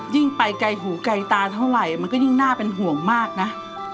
ยิ่งไปไกลหูไกลตาเท่าไหร่มันก็ยิ่งน่าเป็นห่วงมากนะ